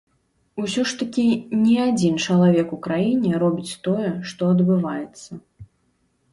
Усё ж такі не адзін чалавек у краіне робіць тое, што адбываецца.